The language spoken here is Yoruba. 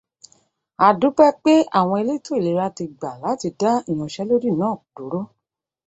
A dúpẹ́ pé àwọn elétò ìlera ti gbà láti dá ìyanṣẹ́lódì náà dúró.